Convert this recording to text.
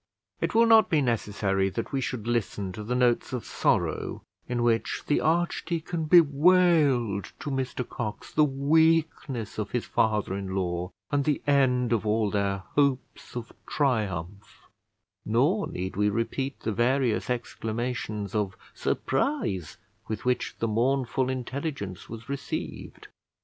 It will not be necessary that we should listen to the notes of sorrow in which the archdeacon bewailed to Mr Cox the weakness of his father in law, and the end of all their hopes of triumph; nor need we repeat the various exclamations of surprise with which the mournful intelligence was received.